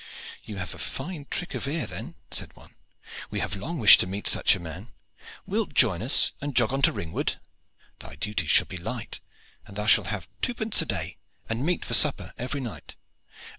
"You have a fine trick of ear then," said one. "We have long wished to meet such a man. Wilt join us and jog on to Ringwood? Thy duties shall be light, and thou shalt have two pence a day and meat for supper every night."